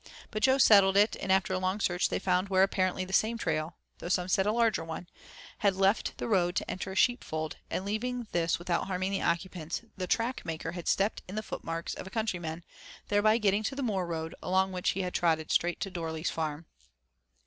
But Jo settled it, and after another long search they found where apparently the same trail, though some said a larger one, had left the road to enter a sheep fold, and leaving this without harming the occupants, the track maker had stepped in the footmarks of a countryman, thereby getting to the moor road, along which he had trotted straight to Dorley's farm.